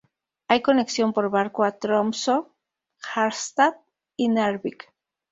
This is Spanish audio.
Hay conexión por barco a Tromsø, Harstad y Narvik.